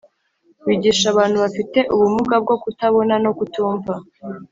bigisha abantu bafite ubumuga ubwo kutabona no kutumva